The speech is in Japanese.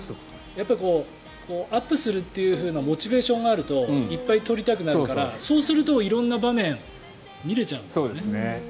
やっぱりアップするというモチベーションがあるといっぱい撮りたくなるからそうすると色んな場面が見れちゃうんだよね。